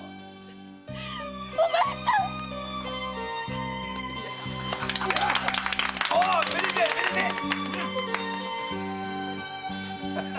お前さん‼めでてえめでてえ！